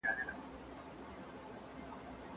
زدهکوونکي د ښوونځي په ښوونیزې پروسې باور لري.